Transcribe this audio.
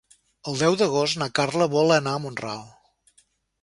El deu d'agost na Carla vol anar a Mont-ral.